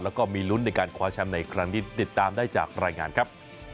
แล้วก็มีลุ้นในการคว้าแชมป์ในครั้งนี้ติดตามได้จากรายงานครับ